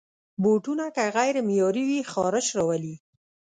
بوټونه که غیر معیاري وي، خارش راولي.